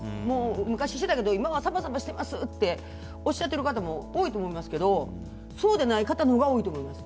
昔してたけど今はサバサバしてますっておっしゃってる方も多いと思いますけどそうじゃない方のほうが多いと思います。